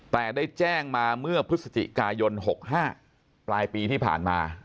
แต่ได้แจ้งมาเมื่อพฤศจิกายน๖๕ปลายปีที่ผ่านมา